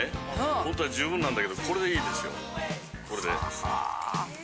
ほんとは十分なんだけどこれでいいですよこれで。